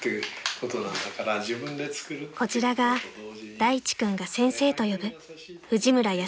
［こちらが大地君が先生と呼ぶ］